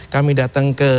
kami datang ke